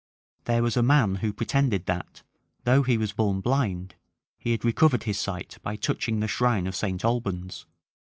There was a man who pretended that, though he was born blind, he had recovered his sight by touching the shrine of St. Albans.